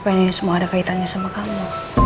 apa ini semua ada kaitannya sama kamu